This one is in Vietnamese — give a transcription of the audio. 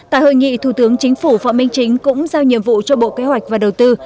tại hội nghị thủ tướng chính phủ phạm minh chính cũng giao nhiệm vụ cho bộ kế hoạch và đầu tư